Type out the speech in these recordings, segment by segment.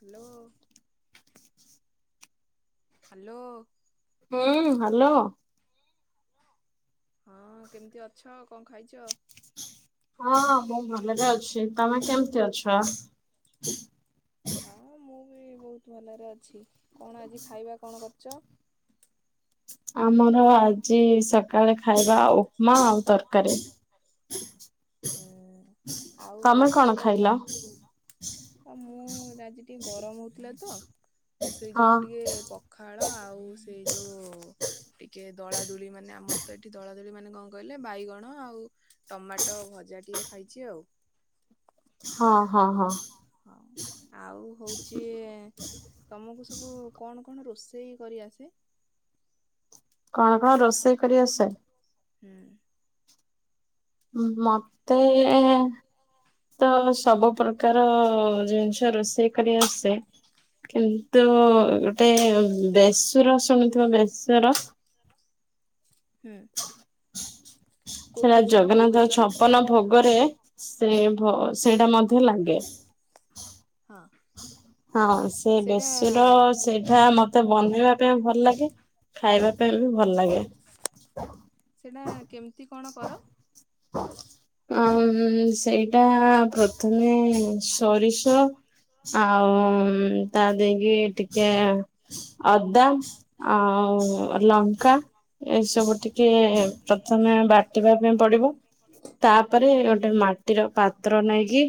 Hello hello. ହୁଁ hello. ହଁ କେମିତି ଅଛ କଣ ଖାଇଚ? ହଁ ମୁଁ ଭଲ ରେ ଅଛି। ତମେ କେମତି ଅଛ? ହଁ ମୁଁ ବି ମୁଁ ବହୁତ ଭଲରେ ଅଛି। କଣ ଆଜି ଖାଇବା କଣ କରିଚ? ଆମର ଆଜି ସକାଳେ ଖାଇବା ଉପମା ଆଉ ତରକାରୀ। ହୁଁ ଆଉ ତମେ ହଉଛି କଣ ଖାଇଲ? ମୁଁ ଆଜି ଟିକେ ଗରମ ହଉଥିଲା ତ ମୁଁ ସେଇ ଯୋଉ ହଁ ଟିକେ ପଖା ପଖଳ ଆଉ ସେ ଯଉ ଟିକେ ଦଳାଦୁଳି ମାନେ ଆମର ତ ଏଠି ଦଳାଦୁଳି ମାନେ କଣ କହିଲେ ବାଇଗଣ ଆଉ ଟମାଟୋ ତ ଭଜା ଟିକେ ଖାଇଛି ଆଉ। ହଁ ହଁ ହଁ। ଆଉ ହଉଚି ତମକୁ ସବୁ କଣ କଣ ରୋଷେଇ କରିଆସେ? କଣ କଣ ରୋଷେଇ କରି ଆସେ? ହୁଁ। ମତେ ତ ସବୁ ପ୍ରକାର ଜିନିଷ ରୋଷେଇ କରି ଆସେ। କିନ୍ତୁ ଗୋଟେ ବେସୁର ଶୁଣିୁଥିବ ବେସର? ହୁଁ। କୋଉ ସେଟା ବେସର କୋଉ ଜଗନ୍ନାଥ ବେସର? ଛପନ ଭୋଗରେ ସେ ଭୋ ସେଇଟା ମଧ୍ୟ ଲାଗେ। ହଁ। ହଁ ସେ ସେଇଟା ବେସୁର ସେଇଟା ମ ମତେ ବନେଇବା ପାଇଁ ଭଲ ଲାଗେ। ଖାଇବା ପାଇଁ ବି ଭଲ ଲାଗେ। ସେଟା କେମିତି କଣ କର? ଉଁ ସେଇଟା ପ୍ରଥମେ ସୋରିଷ ଆ ଆଉ ତା ଦେଇକି ଟିକେ ଅଦା ଆଉ ଲଙ୍କା ଏଇସବୁ ଟିକେ ପ୍ରଥମେ ବାଟିବା ପାଇଁ ପଡିବ। ତାପରେ ଗୋଟେ ମାଟିର ପାତ୍ର ନେଇକି।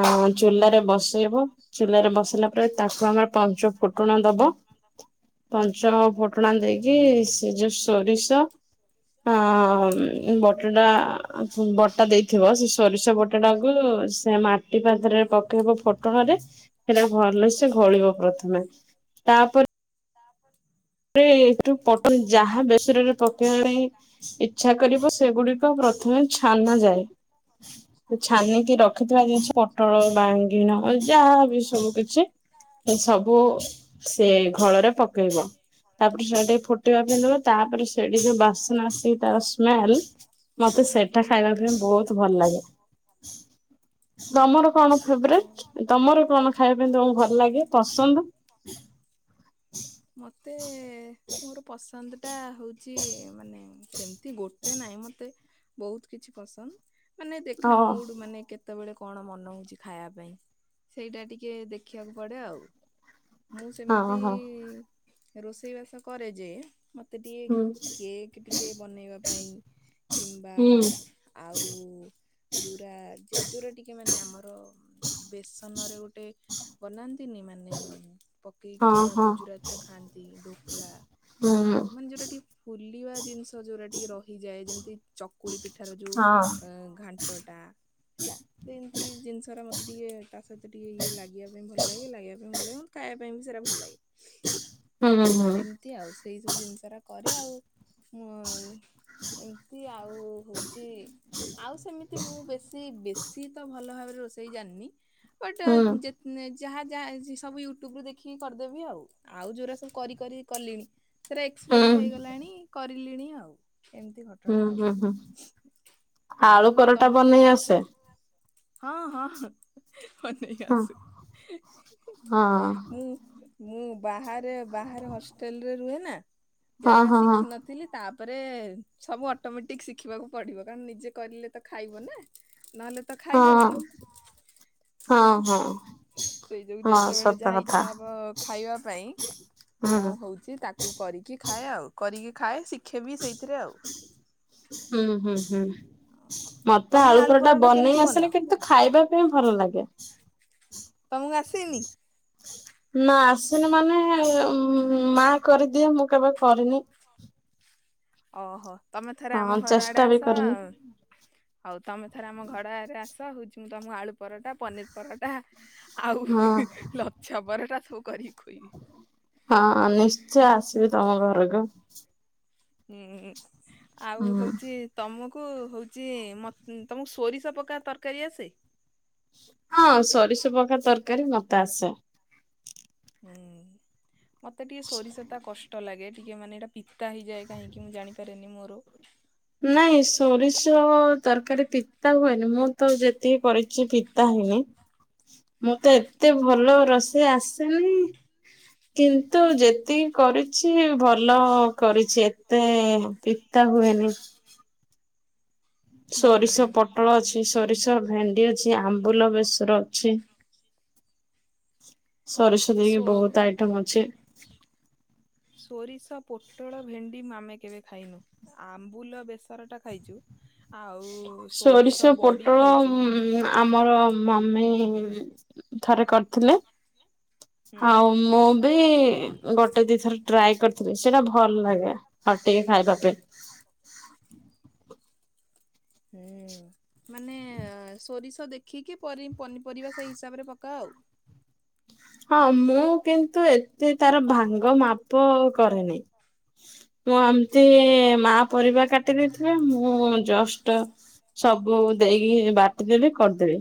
ଆଉ ଚୁଲାରେ ବସେଇବ। ଚୁଲରେ ବସିଲା ପରେ ତାକୁ ଆମର ପଞ୍ଚ ଫୁଟଣ ଦବ। ପଞ୍ଚମ ଫୁଟଣା ଦେଇକି ସେ ଯୋଉ ସୋରିଷ ହଁ ବ ବଟଟା ବଟା ଦେଇଥିବ ସେ ସୋରିଷ ବଟା ଟାକୁ ସେ ମାଟି ପାାତରେ ପକେଇ ହେବ ଫଟଣରେ ସେଟା ଭଲସ ଘୋଳିବ ପ୍ରଥମେ ତାପରେ ଏଠୁ ପଟ ଯାହା ବେସରରେ ପକେଇବା ପାଇଁ ଇଚ୍ଛା କରିବ ସେଗୁଡିକ ପ୍ରଥମେ ଛାନ ଯାଏ। ଛାନିକି ରଖିଥିବା ଜିନଛି ପୋଟଳ ବାଇଙ୍ଗିନ ଯାହାବି ସବୁ କିଛି ସବୁ ସେ ଘଳରେ ପକେଇବ। ତାପରେ ସେ ଟିକେ ଫୁଟିବା ପାଇଁ ଦେବା ତାପରେ ସେଇଠି ଯୋଉ ବାସନ ଆସି ତାର ସ୍ମେଲ ମତେ ସେଟା ଖାଇବା ପାଇଁ ବହୁତ ଭଲ ଲାଗେ। ତମର କଣ ଫେବରେଟ ତମର କଣ ଖାଇବା ପାଇଁ ତମକୁ ଭଲ ଲାଗେ ପସନ୍ଦ। ମୋତେ। ଏ ମୋର ପସନ୍ଦଟା ହେଉଛି ମାନେ ସେମିତି ଗୋଟେ ନାହିଁ ମୋତେ ବହୁତ କିଛି ପସନ୍ଦ ମାନେ ଦେଖା ହଁ ମୁଡ ମାନେ କେତେ କେତେବେଳେ କଣ ମନ ହଉଛି ଖାଇବା ପାଇଁ ସେଇଟା ଟିକେ ଦେଖିବାକୁ ପଡେ ଆଉ। ମୁଁ ହଁ ସେମିତି ହଁ ରୋଷେଇବାସ କରେ ଯେ ମତେ ଟିକେ ହୁଁ କେକ୍ ଟିକେ ବନେଇବା ପାଇଁ କିମ୍ବା ହୁଁ ଆଉ ଯୋୁରା ଯେ ଯୋୁରା ଟିକେ ମାନେ ଆମର ବେସନ ରେ ଗୋଟେ ବନାନ୍ତିନି ମାନେ ପକେଇକି ହଁ ଯୋଉଟା ଗୁଜୁରାାତ ରେ ଖାଆନ୍ତି ଢୋକଲା ହଁ। ଆଉ ମାନେ ଯୋଉଟା ଟିକେ ଫୁଲିବା ଜିନିଷ ଯୋଉଟା ଟିକେ ରହିଯାଏ ଯେମିତି ଚକୁଳି ପିଠାର ଯୋଉ ହଁ ଘା ଟଟା ହେଲା ସେମିତି ଜିନିଷ ଟା ମତେ ଟିକେ ତା ସହିତ ଟିକେ ଇଏ ଲାଗିବା ପାଇଁ ଭଲ ଲାଗେ ଲାଗିବା ପାଇଁ ଭଲ ଲାଗେ। ଖାଇବା ପାଇଁ ବି ସେଟା ଭଲ ଲାଗେ। ହୁଁ ହୁଁ ହୁଁ ଏମିତି ଆଉ ସେଇ ସବୁ ଜିନିଷ ଟା କରେ ଆଉ ମୁଁ ଆଉ ହଉଛି। ଆଉ ସେମିତି ମୁଁ ବେଶୀ ବେଶୀ ତ ଭଲ ଭାବରେ ରୋଷେଇ ଜାଣିନି। ବଟା ହୁଁ ଯେତ ଯାହା ଯାହା ସବୁ ୟୁଟ୍ୟୁବୁ ଦେଖିକି କରିଦେବି ଆଉ ଆଉ ଯୋଉା ସବୁ କରି କରି କଲିଣି। ସେ ହୁଁ ଏକ୍ସପିରିଏନ୍ସ ହେଇଗଲାଣି କରିଲିଣି ଆଉ ଏମତି ହୁଁ ହୁଁ ହୁଁ ଆଉ ଆଳୁ ପରଟା ବନେଇ ତମକୁ ଆସେ। ହଁ ହଁ ମ ନେଇେଇ ହଁ ଆସେ ହଁ ମୁଁ ମୁଁ ବାହାରେ ବାହାରେ ହଷ୍ଟେଲରେ ରୁହେ ନା ହଁ ଯାହା ହଁ ହଁ ଶିଖିିନଥିଲି ତା ତାପରେ ସବୁ ଅଟୋମେଟିକ ଶିଖିବାକୁ ପଡିବ କାରଣ ନିଜେ କରିଲେ ତ ଖାଇବ ନା। ନହେଲେ ତ ଖାଇବ ହଁ କଣ। ହଁ ହଁ। ସେଇ ଯୋଗୁ ହଁ ଯେତେବେଳେ ସତ ଯାହା କଥା। ଇଛା ହବ ଖାଇବା ପାଇଁ ହୁଁ ମୁଁ ହଉଛି ତାକୁ କରିକି ଖାଏ ଆଉ କରିକି ଖାଏ ଶିଖେ ବିି ସେଇଥିରେ ଆଉ। ହୁଁ ହୁଁ ହୁଁ। ମତେ ତମେ ଆଳୁ ପରର ଟା ପରଟା କେମିତି ବନେଇ ବନାଅ ଆସେନି କିନ୍ତୁ ଖାଇବା ପାଇଁ ଭଲ ଲାଗେ। ତମକୁ ଆସିନି? ନା। ମାନେ ମା କରିଦିଏ ମୁଁ କେବେ କରିନି। ଓହୋ ତମେ ଥରେ ଆମ ହଁ ଘର ଆଡେ ଚେଷ୍ଟା ବି ଆସ କରିନି ଆଉ। ଆଉ ତମେ ଥର ଆମ ଘଡରେ ଆସ ହଉଛି ମୁଁ ତମକୁ ଆଳୁ ପରଟା ପନିର ପରଟା ଆଉ ହଁ ହୁ ହୁ ଲଛା ପରଟା ସବୁ କରିବି। ହଁ ନିଶ୍ଚୟ ଆସିବି ତମ ଘରକୁ। ହୁଁ ଆଉ ହୁଁ ହଉଚି ତମୁକୁ କୁ ହଉଚି ମ ତମୁକୁ ସୋରିଷ ପକା ତରକାରୀ ଆସେ? ହଁ ସୋରିଷ ପକା ତରକାରୀ ମତେ ଆସେ। ହୁଁ। ମତେ ଟିକେ ସୋରିଷତା କଷ୍ଟ ଲାଗେ ଟିକେ ମାନେ ଏଇଟା ପିତା ହେଇଯାଏ କାହିଁକି ମୁଁ ଜାଣିପାରେନି ମୋର। ନାଇଁ ସୋରିଷ ତରକାରୀ। ପିତା ହୁଏନି ମୁଁ ତ ଯେତିକି କରିଛି ପିତା ହେଇନି। ମୁଁ ତ ଏତେ ଭଲ ରୋଷେଇ ଆସେନି। କିନ୍ତୁ ଯେତିକି କରିଚି ଭଲ କରିଚି ଏତେ ପିତା ହୁଏନି। ସୋରିଷ ପୋଟଳ ଅଛି ସୋରିଷ ଭେଣ୍ଡି ଅଛି ଆମ୍ବୁଲ ବେସର ଅଛି। ସୋରିଷ ଦେଇକି ବହୁତ ଆଇଟମ୍ ଅଛି। ସୋରିଷ, ପୋଟଳ, ଭେଣ୍ଡି ଆମେ କେବେ ଖାଇନୁ ଆମ୍ବୁଲ ବେସର ଟା ଖାଇଚୁ। ସୋରିଷ, ପୋଟଳ ଖାଇଛୁ। ଉଁ ଆମର ମମି ଥରେ କରିଥିଲେ। ହୁଁ ଆଉ ମୁଁ ବି ଗୋଟେ ଦି ଥର। ଟ୍ରାଏ କରିଥିଲି ସେଇଟା ଭଲ ଲାଗେ କାଟିକି ଖାଇବା ପାଇଁ। ହୁଁ ମାନେ ସୋରିଷ ଦେଖିକି ପରି ପନିପରିବା ସେଇ ହିସାବରେ ପକା ଆଉ? ହଁ ମୁଁ କିନ୍ତୁ ଏତେ ତାର ଭାଙ୍ଗ ମାପ କରେନି। ମୁଁ ଏମିତି ମା ପରିବା କାଟି ଦେଇିଥିବ ମୁଁ ଜଷ୍ଟ ସବୁ ଦେଇକି ବାଟି ଦେବେ କରିଦେବେ।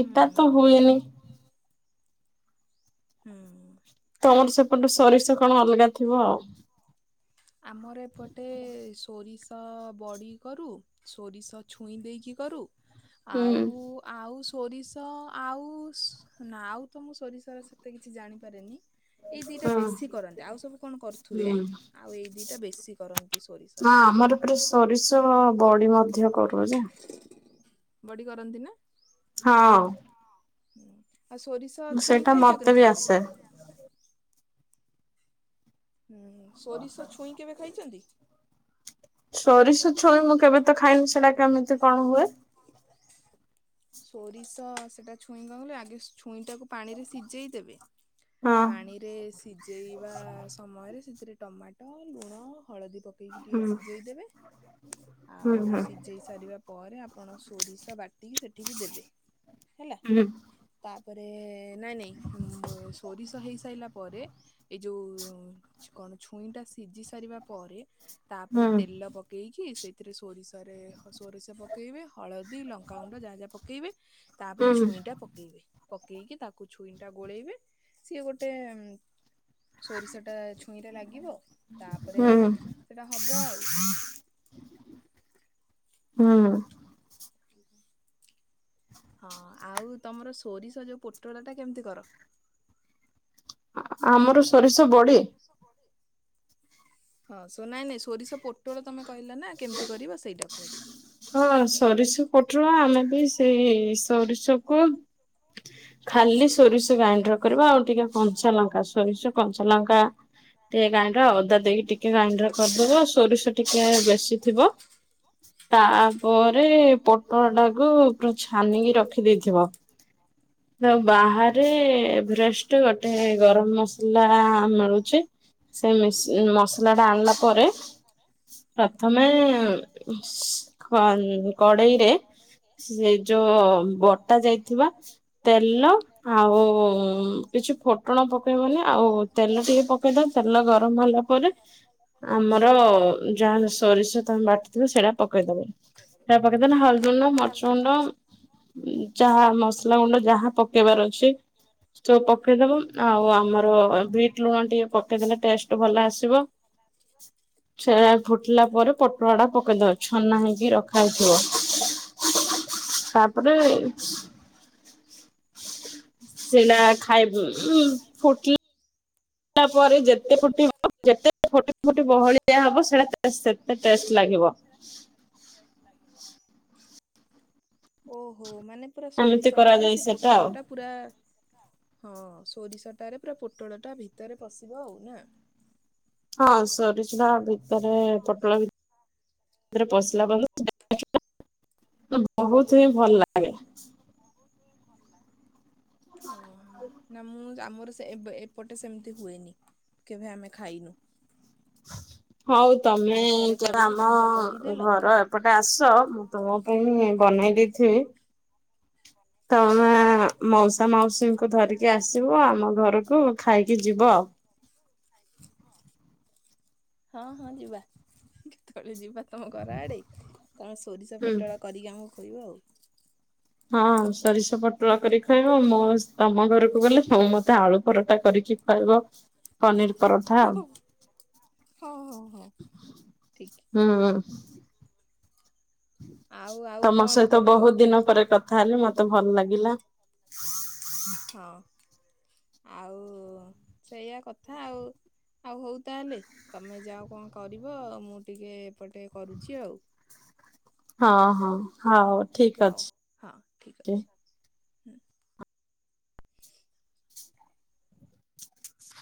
ହୁଁ ତ ହୁଏନି। ହୁଁ। ହୁଁ। ତମର ସେପଟେ ସୋ ଆମର ଏପଟେ ସୋରିଷ ତ ବଡ଼ି କରୁ ସୋରିଷ ଛୁଇଁ ଦେଇକି କରୁ। ଆଉ ହୁଁ ଆଉ ସୋ ସୋରିଷ ଆଉ ନା ଆଉ ତ ମୁଁ ସୋରିଷରେ ସେତେ କିଛି ଜାଣିପାରେନି। ଏଇ ଦିଇଟା ହଁ ବେଶି କର ଆଉ ସବୁ କଣ କରୁଥିବେ ହୁଁ ହଁ ଆଉ ଏଇ ଦିଟା ବେଶୀ କରନ୍ତି ସୋରିଷରେ। ହଁ ବଡି ମଧ୍ୟ କରୁ ଯେ। ବଡି କରନ୍ତି ନା? ହଁ। ହୁଁ ଆଉ ସୋରିଷ ଛୁଇଁ ସେଇଟା ଖାଇଚ ମତେ କେମିତି ବି କେବେ? ଆସେ ହୁଁ ସୋରିଷ ଛୁଇଁ କେବେ ଖାଇଚନ୍ତି? ସୋରିଷ ଛୁଇଁ ମୁଁ କେବେ ତ ଖାଇନି ସେଟା କେମିତି କଣ ହୁଏ? ସୋରିଷ ସେଟା ଛୁଇଁ କଣ କଇଲେ ଆଗେ ଛୁଇଁଟାକୁ ପାଣି ରେ ସିଜେଇ ଦେବେ। ହଁ ପାଣିରେ ସିଜେଇବା ସମୟରେ ସେତିରେ ଟମାଟ ଲୁଣ ହଳଦୀ ପକେଇକି ହୁଁ ଟିକେ ସିଜେଇ ଦେବେ ହୁଁ ଆଉ ହୁଁ ସିଜେଇ ସାରିବା ପ ପରେ ଆପଣ ସୋରିଷ ବାଟିକି ସେଠିକି ଦେବେ ହେଲା ହୁଁ ତା ପରେ ନାଇଁ ନାଇଁ ଉମ୍ ସୋରିଷ ହେଇସାଇଲା ପରେ ଏଇ ଯୋଉ କ କଣ ଛୁଇଁ ଟା ସିଜି ସାରିବା ପରେ। ତାପରେ ହୁଁ ତେଲ ପକେଇକି ସେଇଥିରେ ସୋରିଷରେ ସୋରିଷ ପକେଇବେ। ହଳଦୀ ଲଙ୍କାଗୁଣ୍ଡ ଯାହା ଯାହା ପକେଇବେ ତାପରେ ହୁଁ ଛୁଇଁ ଟା ପକେଇବେ। ପକେଇକି ତାକୁ ଛୁଇଁ ଟା ଗୋଳେଇବେ ସିଏ ଗୋଟେ। ସୋରିଷ ଟା ଛୁଇଁରେ ଲାଗିବ ତାପରେ ହୁଁ ସେଟା ହବ ଆଉ। ହଁ ହଁ। ହଁ ଆଉ ତମର ସୋରିଷ ଯୋଉ ପୋଟଳ ଟା କେମିତି କର? ଆମର ସୋରିଷ ବଢି। ହଁ ନାଇଁ ନାଇଁ ସୋରିଷ ପୋଟଳ ତମେ କହିଲା ନା କେମିତି କରିବ ସେଇଟାକୁ କହିଲି। ହଁ ସୋରିଷ ପୋଟଳ ଆମେ ବି ସେଇ ସୋରିଷ କୁ ଖାଲି ସୋରିଷ ଗ୍ରାଇଣ୍ଡର କରିବ ଆଉ ଟିକେ କଞ୍ଚା ଲଙ୍କା ସୋରିଷ କଞ୍ଚାଲଙ୍କା ଟିକେ ଗାଇଣ୍ଡର ଅଦା ଦେଇକି ଟିକେ ଗ୍ରାଇଣ୍ଡର କରିଦେବ ସୋରିଷ ଟିକେ ବେଶୀ ଥିବ। ବ ତାପରେ ପୋଟଳଟାକୁୁ ପୁରା ଛାନିକି ରଖିଦେଇଥିବ। ଆଉ ବାହାରେ ଏଭରେଷ୍ଟ ଗୋଟେ ଗରମ ମସଲା ମିଳୁଛି। ସେ ମସଲା ଟା ଆଣିଲା ପରେ, ପ୍ରଥମେ ସି କଡେଇରେ ସେଇ ଯୋଉ ବଟା ଯାଇଥିବା। ତେଲ ଆଉ କିଛି ଫୋଟଣ ପକେଇବନି ଆଉ ତେଲ ଟିକେ ପକେଇଦ ତେଲ ଗରମ ହେଲା ପରେ ଆମର ଯାହା ସୋରିଷ ତମେ ବାଟିଥିବ ସେଇଟା ପକେଇଦବ। ତା ପକେଇଦେନେ ହଳଦୀ ଗୁଣ୍ଡ, ମର୍ଚ ଗୁଣ୍ଡ, ଯାହା ମସଲା ଗୁଣ୍ଡ ଯାହା ପକେଇବାର ଅଛି। ସବୁ ପକେଇଦବ ଆଉ ଆମର ବିଟ ଲୁଣ ଟିକେ ପକେଇଦଲେ ଟେଷ୍ଟ ଭଲ ଆସିବ। ସେଟା ଫୁଟିଲା ପରେ ପୋଟଳଟା ପକେଇଦବ ଛନା ହେଇକି ରଖା ହେଇଥିବ। ତାପରେ, ସେଟା ହୁଁ ଖାଇ ଉମ୍ ଫୁଟି ଲା ପରେ ଯେତେ ଫୁଟିବ ଯେତେ ଫୁଟି ଫୁଟି ବହଳିଆ ହବ ସେଟା ସେତେ ଟେଷ୍ଟ ଲାଗି ଗିବ ଲ ଓହୋ ମାନେ ପୁରା ଏମିତି ସୋରିଷ ଟାରେ କରାଯାଏ ସେ ସେଟା ପୋଟଳ ଆଉ। ଟା ପୁରା ହଁ ସୋରିଷଟାରେ ପୁରା ପୋଟଳ ଟା ଭିତରେ ପଶିବ ଆଉ ନା। ହଁ ସରିଚୁରା ହୁଁ ଭିତରେ ପୋଟଳ ଭିତରେ ପଶିଲା ବହୁତ ହିଁ ଭଲ ଲାଗେ। ଓହୋ ନା ମୁଁ ଆମର ସେ ଏବେ ଏପଟେ ସେମିତି ହୁଏନି କେବେ ଆମେ ଖାଇନୁ। ହଉ ତମେ ଆଉ ଥରେ କେବେ କରିବୁ ଆମ ତମେ ତ କହିଦେଲ ଘର ଏପଟେ ଆସ ମୁଁ ତମ ପାଇଁ ବ ବନାଇଦେଇଥିବେ। ହ। ତମେ ମଉସା ମାଉସୀଙ୍କୁ ଧରିକି ଆସିବ ଆମ ଘରକୁ ଖାଇକି ଯିବ। ୁ ଖାଇ ଯିବ ଆଉ ହଁ ହଁ ଯିବା। କେତେବେଳେ ଯିବା? ତମ ଘର ଆଡ଼େ ତମେ ସୋରିଷ ହୁଁ। ପୋଟଳ କରିକି ଆମକୁ ଖୋଇବ ଆଉ। ହଁ ସୋରିଷ ପୋଟଳ କରିି ଖାଇବ ମୋ ତମ ଘରକୁ ଗଲେ ମୁ ମତେ ଆଳୁ ପରଟା କରିକି ଖା ପନିର। ପରଠା ହଁ ଆଉ ହଉ ହଉ ଠିକ। ହୁଁ ଆଉ ଆଉ ତମ କଣ ସହିତ କରୁଛ ବହୁତ ଦିନ ପରେ କଥା ହେଲି ମତେ ଭଲ ଲାଗିଲା। ହଁ ଆଉ ସେଇଆ କଥା ଆଉ। ଆଉ ହଉ ତାହେଲେ ତମେ ଯାଅ କଣ କରିବ ମୁଁ ଟିକେ ଏପଟେ କରୁଛି ଆଉ। ଁ ହଁ ହଁ ହଉ ଠିକ ଅଛି। ହୁଁ